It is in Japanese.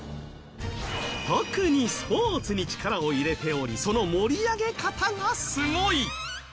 特に、スポーツに力を入れておりその盛り上げ方がすごい。